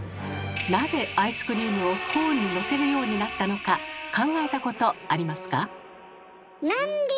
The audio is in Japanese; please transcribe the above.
なぜアイスクリームをコーンにのせるようになったのか考えたことありますか？